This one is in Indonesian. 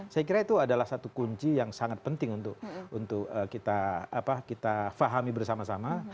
saya kira itu adalah satu kunci yang sangat penting untuk kita fahami bersama sama